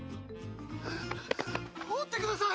追ってください！